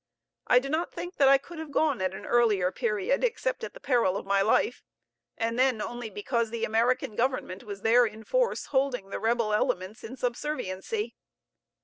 I do not think that I could have gone at an earlier period, except at the peril of my life; and then only because the American Government was there in force, holding the rebel elements in subserviency.